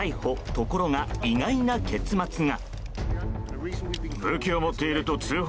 ところが意外な結末が。